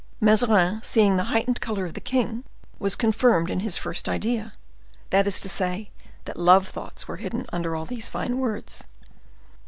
Mazarin, seeing the heightened color of the king, was confirmed in his first idea; that is to say, that love thoughts were hidden under all these fine words.